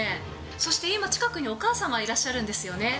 そして今、近くにお母様、いらっしゃるんですよね？